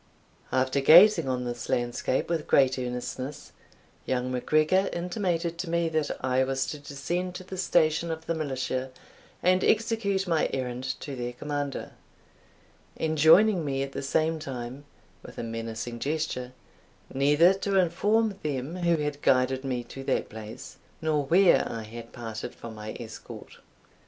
After gazing on this landscape with great earnestness, young MacGregor intimated to me that I was to descend to the station of the militia and execute my errand to their commander, enjoining me at the same time, with a menacing gesture, neither to inform them who had guided me to that place, nor where I had parted from my escort.